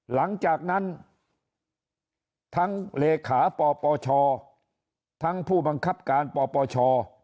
หลังจากนั้นทั้งเลขาปปชทั้งผู้บังคับการปปช